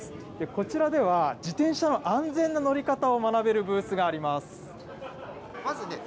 こちらでは自転車の安全な乗り方を学べるブースがあります。